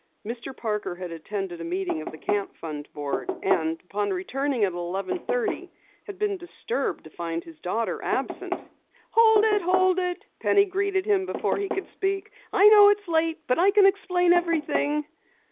Mr. Parker had attended a meeting of the Camp Fund board, and upon returning at eleven thirty, had been disturbed to find his daughter absent. "Hold it! Hold it!" Penny greeted him before he could speak. "I know it's late, but I can explain everything."